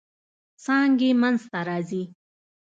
څانګې منځ ته راځي.